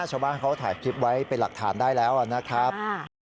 ชาวบ้านเขาถ่ายคลิปไว้เป็นหลักฐานได้แล้วนะครับ